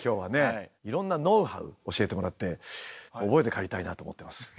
いろんなノウハウ教えてもらって覚えて帰りたいなと思ってます。